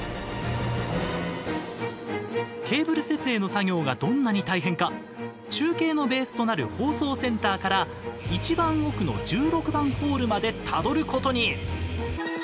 ケーブル設営の作業がどんなに大変か中継のベースとなる放送センターからいちばん奥の１６番ホールまでたどることに。